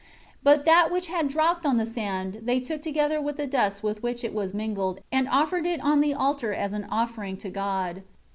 5 But that which had dropped on the sand, they took together with the dust with which it was mingled and offered it on the altar as an offering to God.